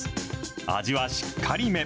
味はしっかりめ。